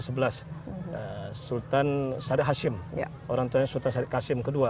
sultan syarif qasim ii